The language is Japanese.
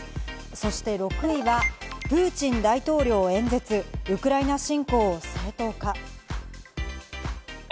そして６位は、プーチン大統領演説、ウクライナ侵攻を正当化。